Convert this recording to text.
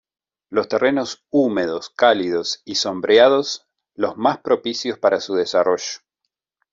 Los terrenos húmedos, cálidos y sombreados los más propicios para su desarrollo.